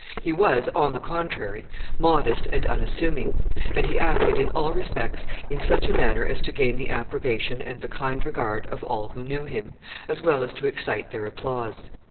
He was, on the contrary, modest and unassuming, and he acted in all respects in such a manner as to gain the approbation and the kind regard of all who knew him, as well as to excite their applause.